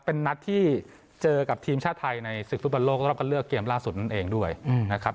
เป็นนัดที่เจอกับทีมชาติไทยในศึกฟุตบอลโลกรอบคันเลือกเกมล่าสุดนั่นเองด้วยนะครับ